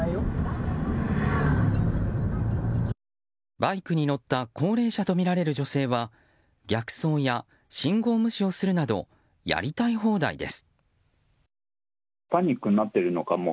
バイクに乗った高齢者とみられる女性は逆走や信号無視をするなどやりたい放題です。